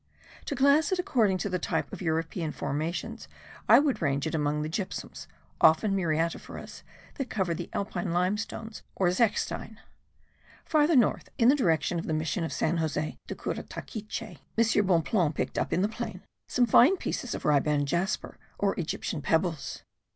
To class it according to the type of European formations I would range it among the gypsums, often muriatiferous, that cover the Alpine limestone or zechstein. Farther north, in the direction of the mission of San Josef de Curataquiche, M. Bonpland picked up in the plain some fine pieces of riband jasper, or Egyptian pebbles.